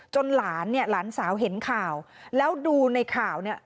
หลานเนี่ยหลานสาวเห็นข่าวแล้วดูในข่าวเนี่ย